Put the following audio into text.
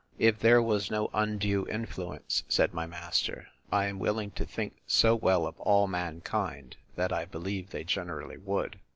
If there was no undue influence, said my master, I am willing to think so well of all mankind, that I believe they generally would.